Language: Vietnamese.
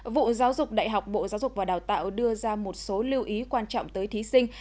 vụ giáo dục đại học bộ giáo dục và đào tạo đưa ra một số lưu ý quan trọng tới thí sinh